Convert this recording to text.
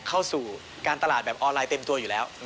เข้าสู่การตลาดแบบออนไลน์เต็มตัวอยู่แล้ว